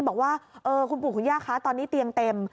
บอกว่าคุณปู่คุณย่าคะตอนนี้เตียงเต็ม